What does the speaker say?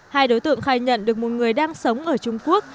hai đối tượng khai nhận được một người đang sống ở trung quốc